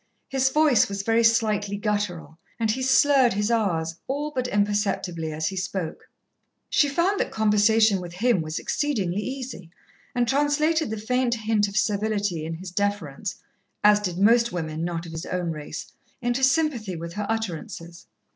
His voice was very slightly guttural, and he slurred his r's all but imperceptibly as he spoke. She found that conversation with him was exceedingly easy, and translated the faint hint of servility in his deference, as did most women not of his own race, into sympathy with her utterances.